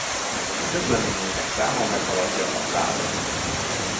Közleményeinek száma meghaladja a százat.